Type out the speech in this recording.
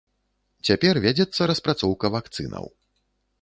Цяпер вядзецца распрацоўка вакцынаў.